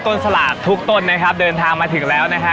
สลากทุกต้นนะครับเดินทางมาถึงแล้วนะฮะ